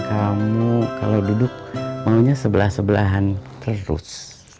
kamu kalau duduk maunya sebelah sebelahan terus